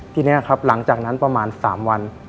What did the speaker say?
ทีนี้ครับหลังจากนั้นประมาณ๓วัน